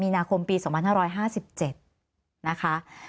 นาคมปี๒๕๕๗นะคะ